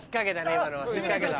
今のは引っかけた。